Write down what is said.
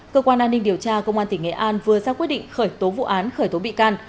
cơ quan an ninh điều tra công an tỉnh nghệ an vừa ra quyết định khởi tố vụ án khởi tố bị can